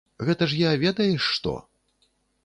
Гэта ж я, ведаеш што?